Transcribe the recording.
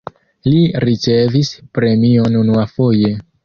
Li ricevis premion unuafoje.